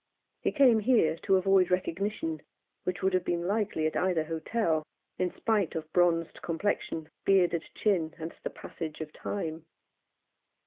He came here to avoid recognition, which would have been likely at either hotel, in spite of bronzed complexion, bearded chin, and the passage of time.